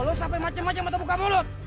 lo sampai macam macam atau buka mulut